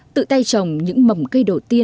tự tay trồng những mầm cây đầu tiên